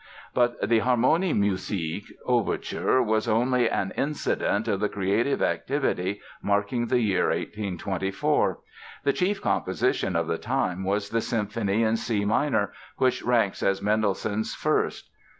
But the "Harmoniemusik" Overture was only an incident of the creative activity marking the year 1824. The chief composition of the time was the Symphony in C minor, which ranks as Mendelssohn's First.